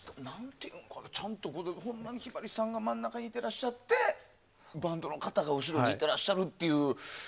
ほんまにひばりさんが真ん中にいていらっしゃってバンドの方が後ろにいてらっしゃるっていう。